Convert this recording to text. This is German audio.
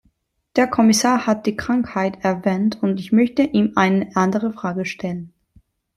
Der Kommissar hat die Krankheit erwähnt, und ich möchte ihm eine andere Frage stellen.